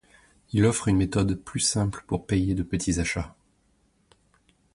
Il offre une méthode plus simple pour payer de petits achats.